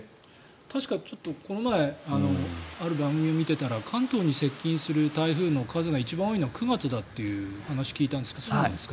確かこの前ある番組を見ていたら関東に接近する台風の数が一番多いのは９月だという話を聞いたんですがそうなんですか？